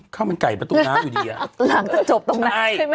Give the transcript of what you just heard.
ข้าวมันไก่ประตูน้ำอยู่ดีหลังจะจบตรงนั้นใช่ไหม